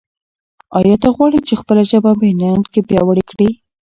آیا ته غواړې چې خپله ژبه په انټرنیټ کې پیاوړې کړې؟